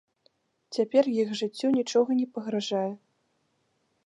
Цяпер іх жыццю нічога не пагражае.